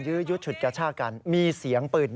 ยื้อยุดฉุดกับช่าการมีเสียงปืน